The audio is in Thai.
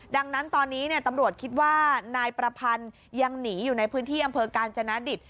ดังนั้นตอนนี้ตำรวจคิดว่านายประพันธ์ยังหนีอยู่ในพื้นที่อำเภอกาญจนาดิต